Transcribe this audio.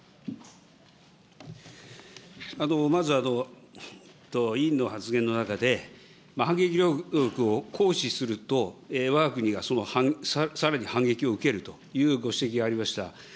まず、委員の発言の中で、反撃能力を行使すると、わが国がさらに反撃を受けるというご指摘がありました。